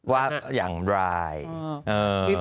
ว่าอย่างไร